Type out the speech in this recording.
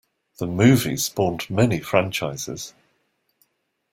The movie spawned many franchises.